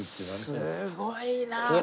すごいな。